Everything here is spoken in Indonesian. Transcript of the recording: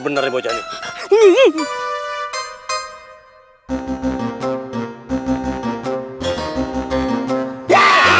bener nih bucah ini